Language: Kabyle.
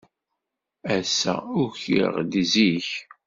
Ass-a, ukiɣ-d zik.